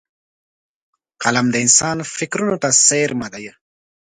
قلم د انسان فکرونو ته څېرمه دی